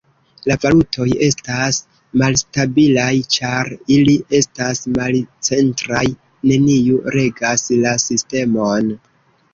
La valutoj estas malstabilaj ĉar ili estas malcentraj, neniu regas la sistemon.